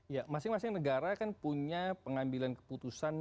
ya masing masing negara kan punya pengambilan keputusan